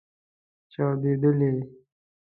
چاودیدلې